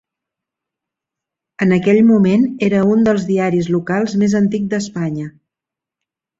En aquell moment era un dels diaris locals més antic d'Espanya.